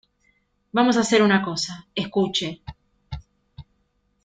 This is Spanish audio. vamos a hacer una cosa. escuche .